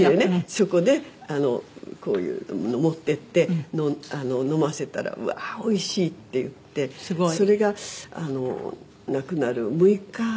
そこでこういうの持っていって飲ませたら“うわあおいしい！”って言ってそれが亡くなる６日前だったと思うんですけど」